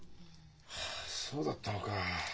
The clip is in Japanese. ああそうだったのか。